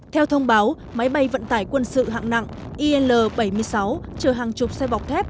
theo thông báo máy bay vận tải quân sự hạng nặng il bảy mươi sáu chở hàng chục xe bọc thép